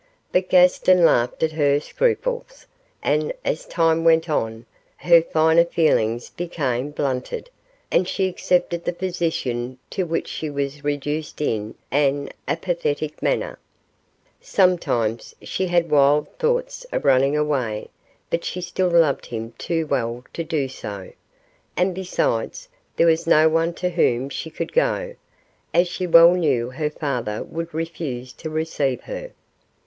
But Gaston laughed at her scruples, and as time went on, her finer feelings became blunted, and she accepted the position to which she was reduced in an apathetic manner. Sometimes she had wild thoughts of running away, but she still loved him too well to do so; and besides, there was no one to whom she could go, as she well knew her father would refuse to receive her.